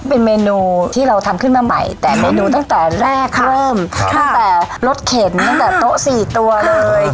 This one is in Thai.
เป็นเมนูที่เราทำขึ้นมาใหม่แต่เมนูตั้งแต่แรกเริ่มตั้งแต่รสเข็นตั้งแต่โต๊ะสี่ตัวเลย